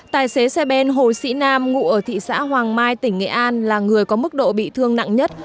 tài xế xe ben hồ sĩ nam ngụ ở thị xã hoàng mai tỉnh nghệ an là người có mức độ bị thương nặng nhất